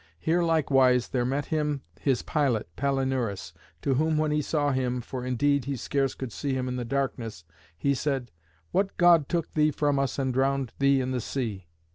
Here likewise there met him his pilot Palinurus, to whom, when he knew him, for indeed he scarce could see him in the darkness, he said, "What god took thee from us and drowned thee in the sea?